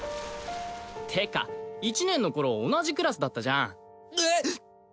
てか１年の頃同じクラスだったじゃんえっ！